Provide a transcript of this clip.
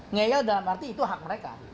ngeyel dalam arti itu hak mereka